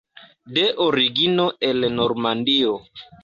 De origino el Normandio.